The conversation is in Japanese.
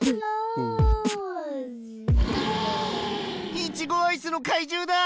イチゴアイスのかいじゅうだぁ！